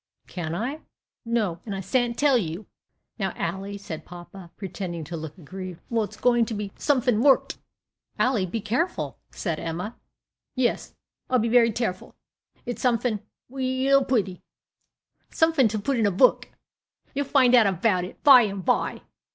"Can't I?" "No, and I s'ant tell you." "Now, Ally," said papa, pretending to look aggrieved. "Well, it's going to be somefin worked." "Ally, be careful," said Emma. "Yes, I'll be very tareful; it's somefin weall pretty somefin to put in a book. You'll find out about it by and by."